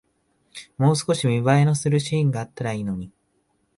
もう少し見栄えのするシーンがあったらいいのに